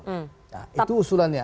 nah itu usulannya